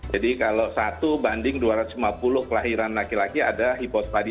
jadi kalau satu banding dua ratus lima puluh kelahiran laki laki ada hipospadi